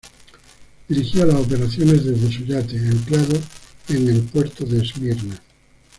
Dirigía las operaciones desde su yate, anclado en el puerto de Esmirna.